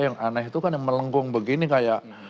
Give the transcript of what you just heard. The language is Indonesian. yang aneh itu kan yang melengkung begini kayak